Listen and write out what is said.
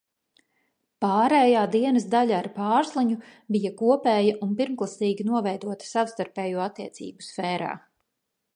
Pārējā dienas daļa ar Pārsliņu bija kopēja un pirmklasīgi noveidota savstarpējo attiecību sfērā.